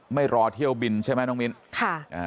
ไม่รอเที่ยวบินใช่ไหมน้องมิ้นค่ะอ่า